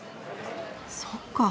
そっか。